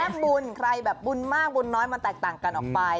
บุญใครแบบบุญมากบุญน้อยมันแตกต่างกันออกไป